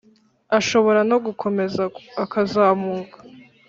ashobora no gukomeza akazamuka.